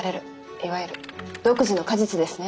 いわゆる毒樹の果実ですね。